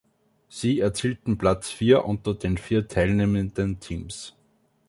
Sie erzielten Platz vier unter den vier teilnehmenden Teams.